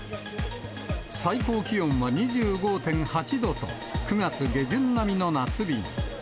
最高気温は２５．８度と、９月下旬並みの夏日に。